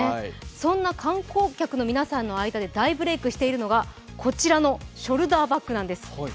そんな観光客の皆さんの間で大ブレークしているのがこちらのショルダーバッグなんです。